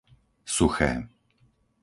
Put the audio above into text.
Suché